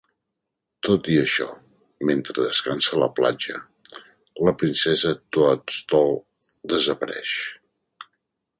Tot i això, mentre descansa a la platja, la princesa Toadstool desapareix.